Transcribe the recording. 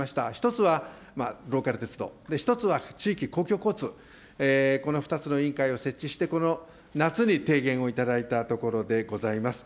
１つはローカル鉄道、１つは地域公共交通、この２つの委員会を設置して、この夏に提言を頂いたところでございます。